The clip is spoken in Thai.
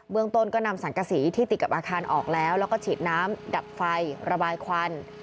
เมืองต้นก็นำสังกษีที่ติดกับอาคารออกแล้วแล้วก็ฉีดน้ำดับไฟระบายควัน